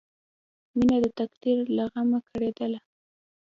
مینه د تقدیر له غمه کړېدله